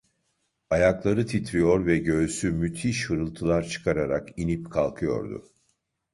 Ayakları titriyor ve göğsü müthiş hırıltılar çıkararak inip kalkıyordu.